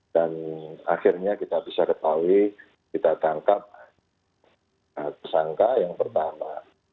dan akhirnya kita bisa ketahui kita tangkap tersangka yang pertama